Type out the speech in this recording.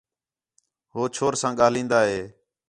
ہو چھور ساں ڳاہلین٘دا ہِے